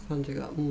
うん